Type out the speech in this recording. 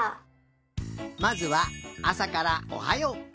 まずはあさからおはよう。